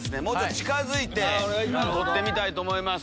近づいて撮ってみたいと思います。